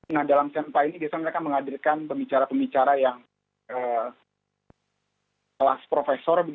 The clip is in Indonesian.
nah dalam semta ini mereka mengadirkan pembicara pembicara yang kelas profesor